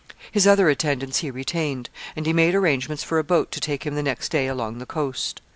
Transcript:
His other attendants he retained, and he made arrangements for a boat to take him the next day along the coast.